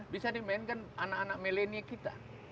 bisa dimainkan anak anak milenial kita